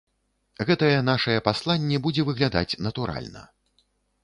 Гэтае нашае пасланне будзе выглядаць натуральна.